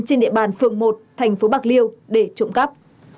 trên địa bàn phường một thành phố bạc liêu để trộm cắp